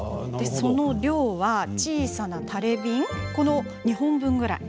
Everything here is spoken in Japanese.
その量は小さなタレビン２本分くらい。